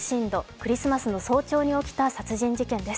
クリスマスの早朝に起きた殺人事件です。